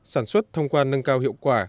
sản xuất thông qua nâng cao hiệu quả